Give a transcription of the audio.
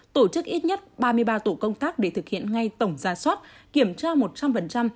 tổ chức ít nhất ba mươi ba tổ công tác để thực hiện ngay tổng ra soát kiểm tra một trăm linh